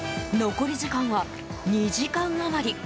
残り時間は２時間余り。